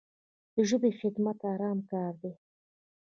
د ژبې خدمت ارام کار دی.